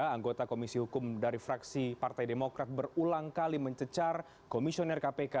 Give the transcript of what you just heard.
anggota komisi hukum dari fraksi partai demokrat berulang kali mencecar komisioner kpk